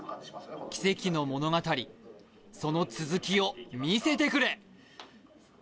奇跡の物語、その続きを見せてくれ。